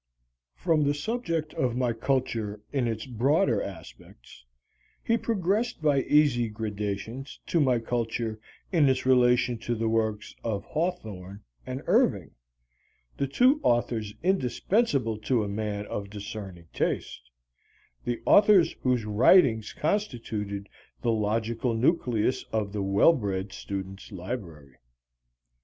From the subject of my culture in its broader aspects he progressed by easy gradations to my culture in its relation to the works of Hawthorne and Irving, the two authors indispensable to a man of discerning taste, the authors whose writings constituted the logical nucleus of the well bred student's library.